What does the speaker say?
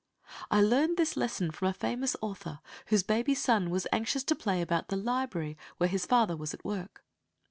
I learned this lesson from a famous author whose baby son was anxious to play about the library where his father was at work.